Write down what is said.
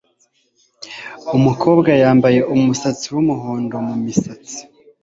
Umukobwa yambaye umusatsi wumuhondo mumisatsi.